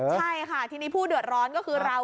ใช่ค่ะทีนี้ผู้เดือดร้อนก็คือเรา